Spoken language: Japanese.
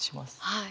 はい。